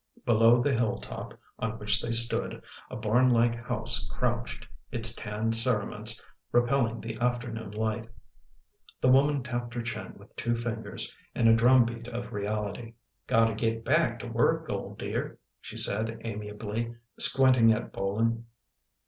Below the hilltop on which they stood, a barn like house crouched, its tan cerements repelling the afternoon light The woman tapped her chin with two fingers in a drum beat of reality. " Gotta get back to work, old dear," she said, amiably squinting at Bolin.